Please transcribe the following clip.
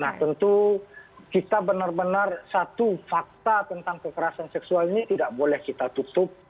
nah tentu kita benar benar satu fakta tentang kekerasan seksual ini tidak boleh kita tutup